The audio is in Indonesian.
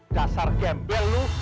dasar gembel lu